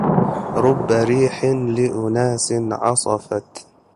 رب ريح لأناس عصفت